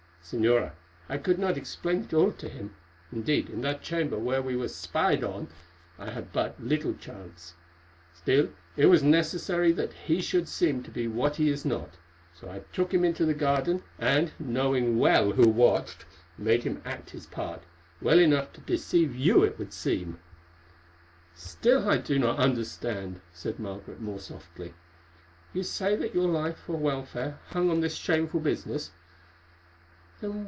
Señora, I could not explain it all to him, indeed, in that chamber where we were spied on, I had but little chance. Still, it was necessary that he should seem to be what he is not, so I took him into the garden and, knowing well who watched us, made him act his part, well enough to deceive you it would seem." "Still I do not understand," said Margaret more softly. "You say that your life or welfare hung on this shameful business.